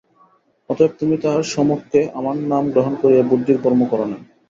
অতএব তুমি তাহার সমক্ষে আমার নাম গ্রহণ করিয়া বুদ্ধির কর্ম কর নাই।